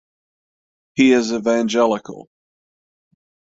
He is evangelical.